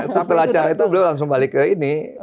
setelah acara itu beliau langsung balik ke ini